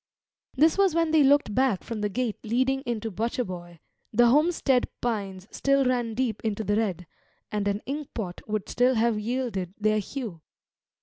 This was when they looked back from the gate leading into Butcher boy: the homestead pines still ran deep into the red, and an ink pot would still have yielded their hue.